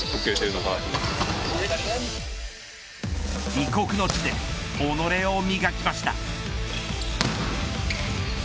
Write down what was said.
異国の地で己を磨きました。